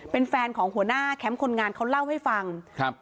เป็นแฟนของหัวหน้าแคมป์คนงานเขาเล่าให้ฟังครับ